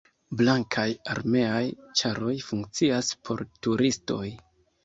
Blankaj armeaj ĉaroj funkcias por turistoj.